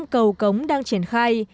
một mươi năm cầu cống đang triển khai